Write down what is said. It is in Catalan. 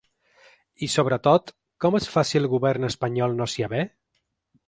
I, sobretot, com es fa si el govern espanyol no s’hi avé?